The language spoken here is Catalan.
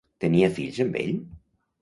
Tenia fills amb ell?